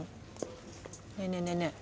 ねえねえねえねえ。